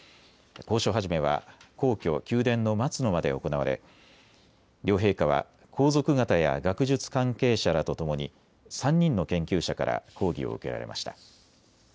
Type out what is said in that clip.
講書始は皇居宮殿の松の間で行われ両陛下は皇族方や学術関係者らとともに３人の研究者から講義を受けられました。